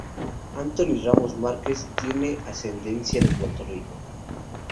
Anthony Ramos Martinez tiene ascendencia de Puerto Rico.